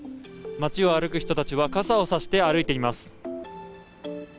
街を歩く人たちは傘を差して歩いています。